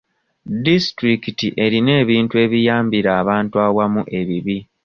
Disitulikiti erina ebintu ebiyambira abantu awamu ebibi.